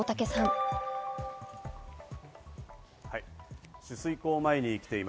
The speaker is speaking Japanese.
はい。